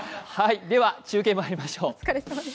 では、中継にまいりましょう。